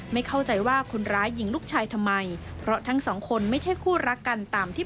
ไม่เข้าใจว่าคนร้ายยิงลูกชายทำไม